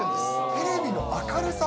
テレビの明るさ？